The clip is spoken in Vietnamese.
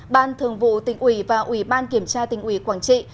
ban thường vụ tỉnh ủy và ủy ban kiểm tra tỉnh ủy quảng trị